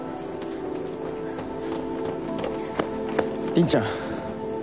凛ちゃん。